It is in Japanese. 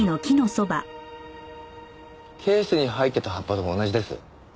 ケースに入ってた葉っぱとも同じです。